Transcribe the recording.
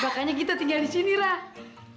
makanya kita tinggal di sini rah